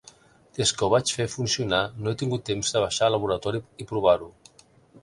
Des que ho vaig fer funcionar no he tingut temps de baixar al laboratori i provar-ho.